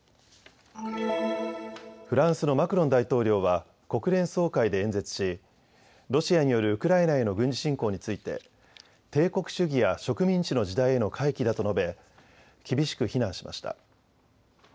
フランスのマクロン大統領は国連総会で演説しロシアによるウクライナへの軍事侵攻について帝国主義や植民地の時代への回帰だと述べ、厳しく非難しました。